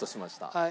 はい。